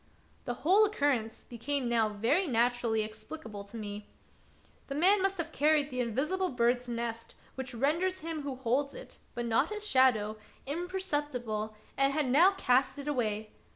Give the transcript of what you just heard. The whole occurrence became now very natu rally explicable to me. The man must have carried the invisible bird's nest which renders him who holds it, but not his shadow, imperceptible, and had now cast it away.